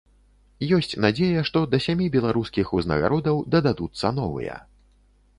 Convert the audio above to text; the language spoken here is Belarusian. Ёсць надзея, што да сямі беларускіх узнагародаў дададуцца новыя.